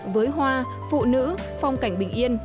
với hoa phụ nữ phong cảnh bình yên